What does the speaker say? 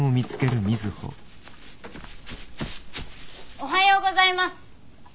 おはようございます！